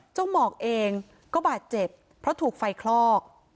หมอกเองก็บาดเจ็บเพราะถูกไฟคลอก